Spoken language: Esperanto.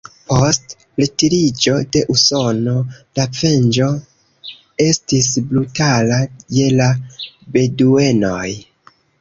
Post retiriĝo de Usono, la venĝo estis brutala je la beduenoj.